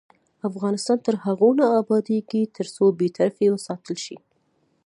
افغانستان تر هغو نه ابادیږي، ترڅو بې طرفي وساتل شي.